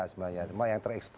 cuma yang terekspos